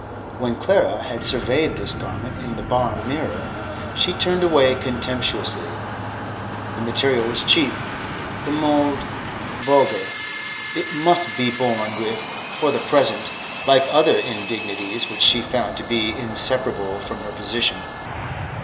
When Clara had surveyed this garment in the bar mirror, she turned away contemptuously; the material was cheap, the mode vulgar. It must be borne with for the present, like other indignities which she found to be inseparable from her position.